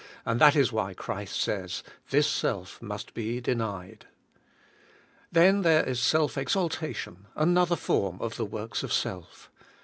And that is why Christ says, "This self must be d^^nied." Then there is self exaltation, another form of the works of self.